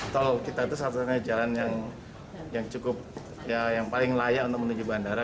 tol kita itu satu satunya jalan yang cukup yang paling layak untuk menuju bandara